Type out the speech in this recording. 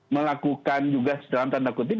melakukan juga dalam tanda kutip